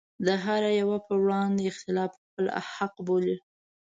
د هره يوه په وړاندې اختلاف خپل حق بولم.